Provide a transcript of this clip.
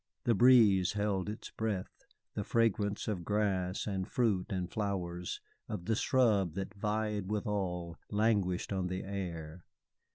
The breeze held its breath; the fragrance of grass and fruit and flowers, of the shrub that vied with all, languished on the air.